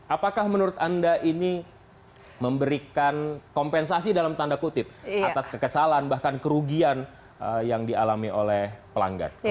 apakah menurut anda ini memberikan kompensasi dalam tanda kutip atas kekesalan bahkan kerugian yang dialami oleh pelanggan